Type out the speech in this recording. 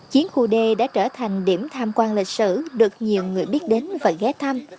chiến khu d đã trở thành điểm tham quan lịch sử được nhiều người biết đến và ghé thăm